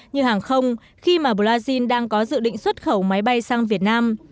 như hàng không khi mà brazil đang có dự định xuất khẩu máy bay sang việt nam